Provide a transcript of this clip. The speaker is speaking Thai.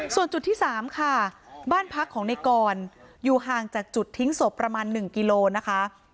ส่วนจุดที่๓ค่ะบ้านพักของในกรอยู่ห่างจากจุดทิ้งศพประมาณ๑กิโลนะคะ